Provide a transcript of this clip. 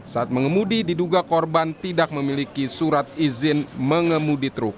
saat mengemudi diduga korban tidak memiliki surat izin mengemudi truk